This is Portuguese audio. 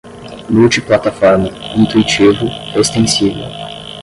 multiplataforma, intuitivo, extensível